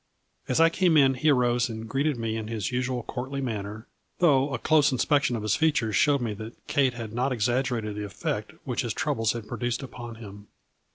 As I came in he arose and greeted me in his usual courtly manner, though a close inspection of his features showed me that Kate had not exaggerated the effect which his troubles had produced upon him.